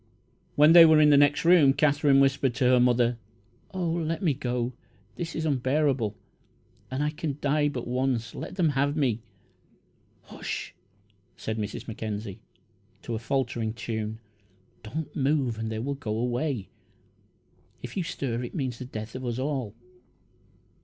When they were in the next room, Katherine whispered to her mother: "Oh, let me go! This is unbearable, and I can die but once let them have me!" "Hush," sang Mrs. Mackenzie, to a faltering tune. "Don't move and they will go away. If you stir it means the death of us all!"